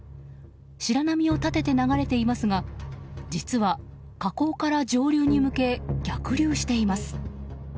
白波を立てて流れていますが実は、河口から上流に向け逆流しています。